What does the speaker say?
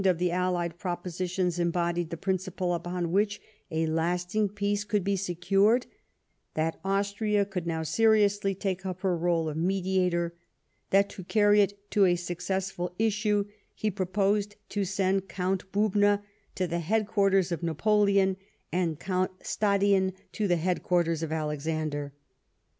of the allied propositions embodied the principle upon which a lasting peace could be secured ; that Austria could now seriously take up her role of mediator ; that, to carry it to a successful issue, he proposed to send Count Bubna to the headquarters of Napoleon, and (^unt Stadion to the headquarters of Alexander.